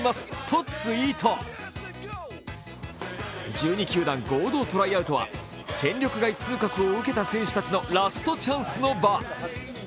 １２球団合同トライアウトは戦力外通告を受けた選手たちのラストチャンスの場。